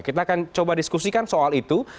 kita akan coba diskusikan soal itu